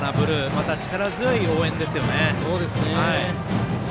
また力強い応援ですよね。